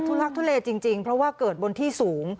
ลักทุเลจริงเพราะว่าเกิดบนที่สูง